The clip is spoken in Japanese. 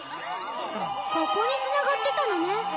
ここにつながってたのね。